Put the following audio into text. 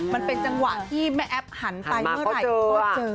มันเป็นจังหวะที่แม่แอ๊บหันไปเมื่อไหร่ก็เจอ